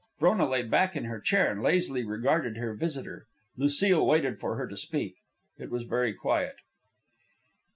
Frona lay back in her chair and lazily regarded her visitor, Lucile waited for her to speak. It was very quiet.